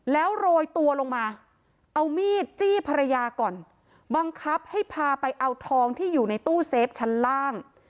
แล้วโรยตัวลงมาเอามีดจี้ภรรยาก่อนบังคับให้พาไปเอาทองที่อยู่ในตู้เซฟชั้นล่าง